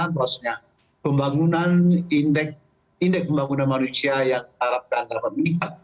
maksudnya pembangunan indeks indeks pembangunan manusia yang terhadapkan pemiliknya